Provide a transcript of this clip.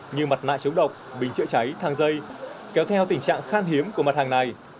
như mặt nạ chống độc bình chữa cháy thang dây kéo theo tình trạng khan hiếm của mặt hàng này